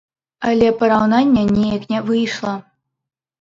Але параўнання неяк не выйшла.